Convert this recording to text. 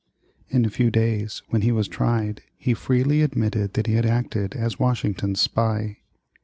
In a few days, when he was tried, he freely admitted that he had acted as Washington's spy.